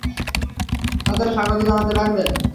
তাঁদের স্বাগত জানাতে লাগলেন।